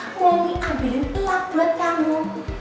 mau ambilin telap buat kamu